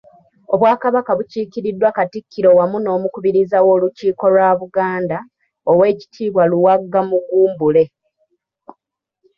Obwakabaka bukiikiriddwa Katikkiro wamu n'omukubiriza w'Olukiiko lwa Buganda, Owekitiibwa Luwagga Mugumbule.